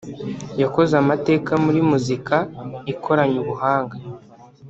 yakoze amateka muri muzika ikoranye ubuhanga